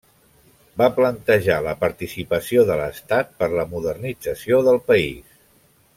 Va plantejar la participació de l'Estat per la modernització del país.